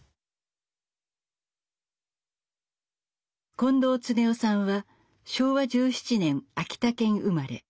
近藤恒夫さんは昭和１７年秋田県生まれ。